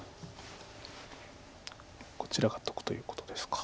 こちらが得ということですか。